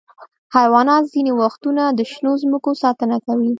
حیوانات ځینې وختونه د شنو ځمکو ساتنه کوي.